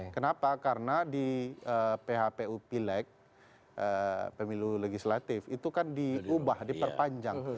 kenapa karena di phpu pileg pemilu legislatif itu kan diubah diperpanjang